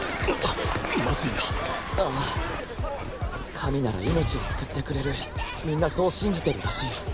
神なら命を救ってくれるみんなそう信じてるらしい。